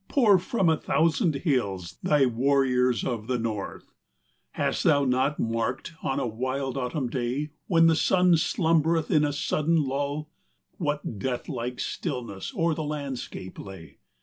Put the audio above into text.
Pour from a thousand hills thy warriors of the north ! XVII. Hast thou not marked on a wild autumn day When the wind slumbereth in a sudden lull, What deathlike stillness o'er the landscape lay.